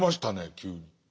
急に。